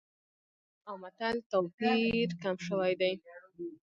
اوس مهال د اصطلاح او متل توپیر کم شوی دی